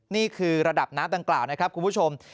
นี่คือระดับน้ำดังกล่าวนะครับคุณผู้ชม